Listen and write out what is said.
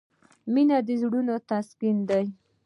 • مینه د زړونو تسکین دی.